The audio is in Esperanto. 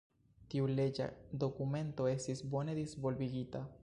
Tiu leĝa dokumento estis bone disvolvigita.